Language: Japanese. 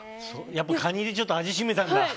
やっぱりカニでちょっと味占めたんだ。